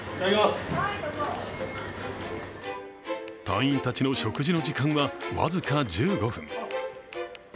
隊員たちの食事の時間は僅か１５分。